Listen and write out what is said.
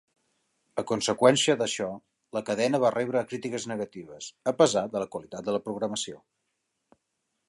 A conseqüència d'això, la cadena va rebre crítiques negatives a pesar de la qualitat de la programació.